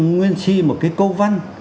nguyên si một cái câu văn